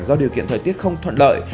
do điều kiện thời tiết không thuận lợi